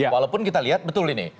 walaupun kita lihat betul ini